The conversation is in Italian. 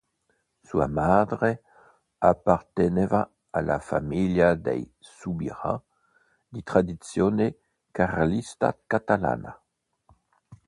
Sua madre apparteneva alla famiglia dei Subirà, di tradizione carlista catalana.